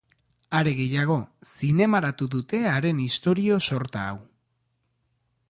Are gehiago, zinemaratu dute haren istorio sorta hau.